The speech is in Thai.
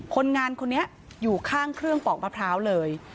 คนงานคนนี้อยู่ข้างเครื่องปอกมะพร้าวเลย